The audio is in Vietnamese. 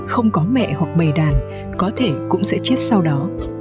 không có mẹ hoặc bày đàn có thể cũng sẽ chết sau đó